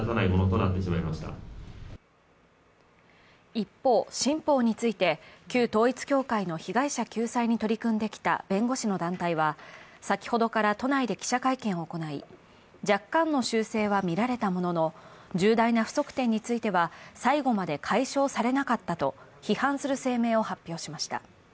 一方、新法について旧統一教会の被害者救済に取り組んできた弁護士の団体は、先ほどから都内で記者会見を行い、若干の修正は見られたものの重大な不足点については最後まで解消されなかったと批判する声明を発表しました。